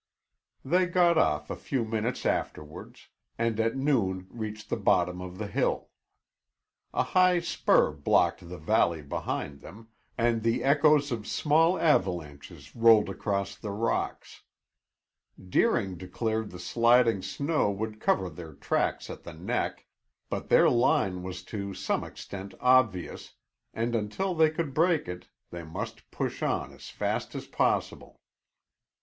They got off a few minutes afterwards, and at noon reached the bottom of the hill. A high spur blocked the valley behind them, and the echoes of small avalanches rolled across the rocks. Deering declared the sliding snow would cover their tracks at the neck, but their line was to some extent obvious, and until they could break it, they must push on as fast as possible.